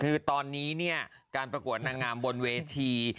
คือตอนนี้เนี่ยการประกวดนางงามบนเวที